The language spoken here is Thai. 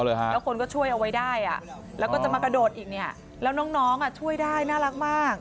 แล้วหนึ่งคนช่วยเอาไปได้แล้วก็จะมาโดดอีกแล้วน้องช่วยได้น่ารักมาก